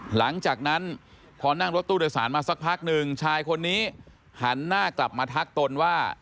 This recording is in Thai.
หลังจากนั้นพอนั่งรถตู้โดยสารมาสักพักหนึ่งชายคนนี้หันหน้ากลับมาทักตนว่า